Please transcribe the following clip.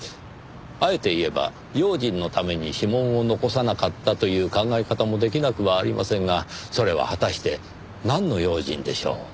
あえて言えば用心のために指紋を残さなかったという考え方も出来なくはありませんがそれは果たしてなんの用心でしょう？